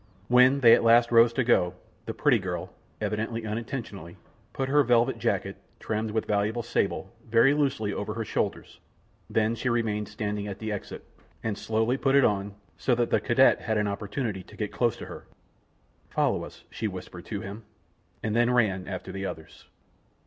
When they at last rose to go, the pretty girl, evidently intentionally, put her velvet jacket, trimmed with valuable sable, very loosely over her shoulders; then she remained standing at the exit, and slowly put it on, so that the cadet had an opportunity to get close to her. "Follow us," she whispered to him, and then ran after the others.